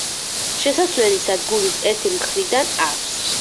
შესასვლელი სადგურს ერთი მხრიდან აქვს.